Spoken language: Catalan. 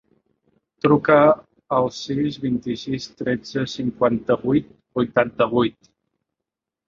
Truca al sis, vint-i-sis, tretze, cinquanta-vuit, vuitanta-vuit.